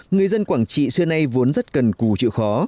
người dân quảng trị xưa nay vốn rất cần cù chịu khó